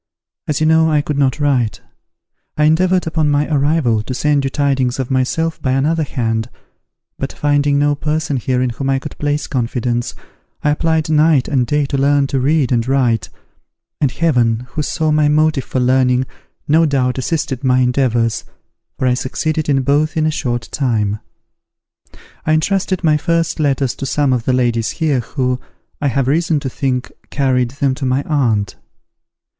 As you know I could not write, I endeavoured upon my arrival, to send you tidings of myself by another hand; but, finding no person here in whom I could place confidence, I applied night and day to learn to read and write, and Heaven, who saw my motive for learning, no doubt assisted my endeavours, for I succeeded in both in a short time. I entrusted my first letters to some of the ladies here, who, I have reason to think, carried them to my aunt.